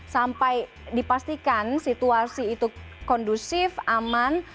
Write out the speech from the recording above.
sampai dipastikan situasi itu kondusif aman